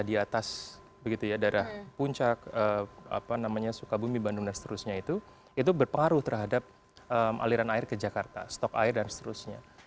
di atas darah puncak sukabumi bandung dan seterusnya itu berpengaruh terhadap aliran air ke jakarta stok air dan seterusnya